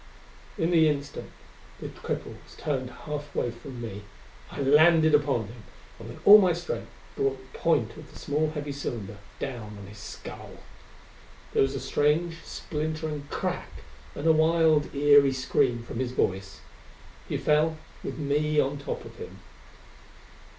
In the instant the cripple was turned half way from me I landed upon him, and with all my strength brought the point of the small heavy cylinder down on his skull. There was a strange splintering crack, and a wild, eery scream from his voice. He fell, with me on top of him.